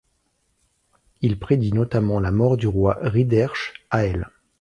Il prédit notamment la mort du roi Rhydderch Hael.